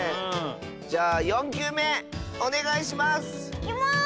じゃあ４きゅうめおねがいします！いきます！